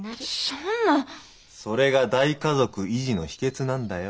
それが大家族維持の秘けつなんだよ。